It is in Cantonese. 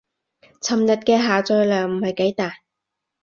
尋日嘅下載量唔係幾大